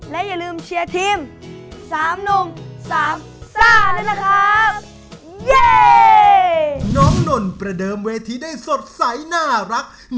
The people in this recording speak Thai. และอย่าลืมเชียร์ทีม๓หนุ่ม๓ซ่าเลยนะครับ